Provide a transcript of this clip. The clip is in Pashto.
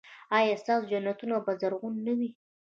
ایا ستاسو جنتونه به زرغون نه وي؟